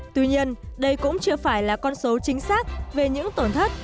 tuy nhiên đây cũng chưa phải là con số chính xác về những tổn thất